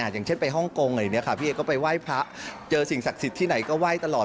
ไม่ได้ไปฮ่องกงพี่เอก็ไปไหว้พระเจอสิ่งศักดิ์สิทธิ์ที่ไหนก็ไหว้ตลอด